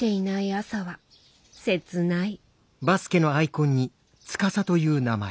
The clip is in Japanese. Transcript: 朝は切ない。